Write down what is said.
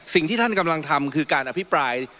สิ่งที่ท่านกำลังทำคือการอภิปราย